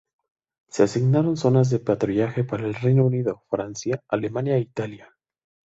Se asignaron zonas de patrullaje para el Reino Unido, Francia, Alemania e Italia.